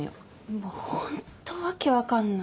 もうホント訳分かんない。